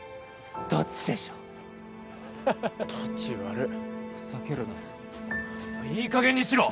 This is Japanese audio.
どっちでしょうたち悪っふざけるないい加減にしろ！